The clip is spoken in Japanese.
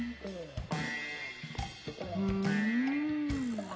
うん。